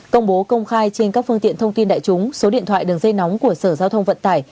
công bố công khai trên các phương tiện thông tin đại chúng số điện thoại đường dây nóng của sở giao thông vận tải